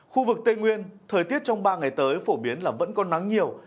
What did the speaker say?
khu vực tây nguyên thời tiết trong ba ngày tới phổ biến là vẫn có nắng nhiều